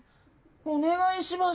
お願いします